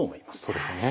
そうですよね。